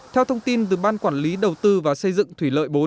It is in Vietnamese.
theo thông tin từ ban quản lý đầu tư